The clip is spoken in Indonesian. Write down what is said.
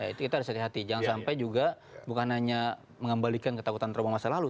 itu kita harus hati hati jangan sampai juga bukan hanya mengembalikan ketakutan trauma masa lalu